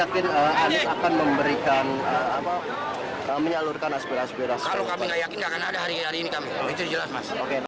pertanyaan terakhir dari anis